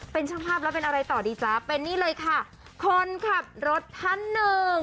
เป็นช่างภาพแล้วเป็นอะไรต่อดีจ๊ะเป็นนี่เลยค่ะคนขับรถท่านหนึ่ง